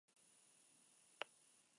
La ofensiva era eminente.